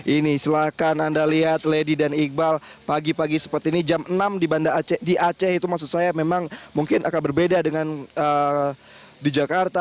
ini silahkan anda lihat lady dan iqbal pagi pagi seperti ini jam enam di aceh itu maksud saya memang mungkin akan berbeda dengan di jakarta